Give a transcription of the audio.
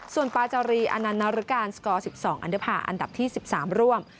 ส่วนปาจารีอนันนารการสกอร์๑๒อันเดอร์พาอันดับที่๑๓ร่วม